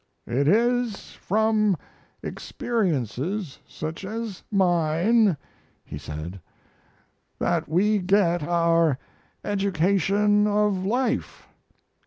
It is from experiences such as mine [he said] that we get our education of life.